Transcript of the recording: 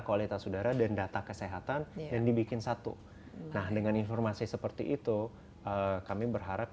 kualitas udara dan data kesehatan dan dibikin satu nah dengan informasi seperti itu kami berharap